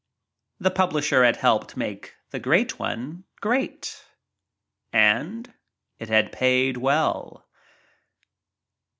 The publisher had helped make the Great One great and — it had paid well.